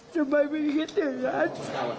ทำไมไม่คิดถึงนั้น